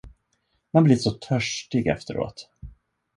Man blir så törstig efteråt.